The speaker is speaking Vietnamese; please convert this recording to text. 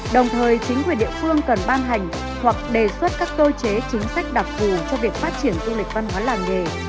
đồng thời chính quyền địa phương cần ban hành hoặc đề xuất các tối chế chính sách đặc vụ cho việc phát triển du lịch văn hóa làm nghề